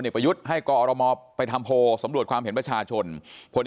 ประยุทธ์ให้กอรมไปทำโพลสำรวจความเห็นประชาชนพล